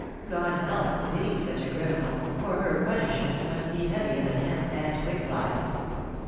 God help and pity such a criminal, for her punishment must be heavier than hemp and quicklime."